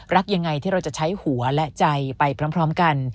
รักยังไงที่เราจะใช้หัวและใจไปพร้อมกัน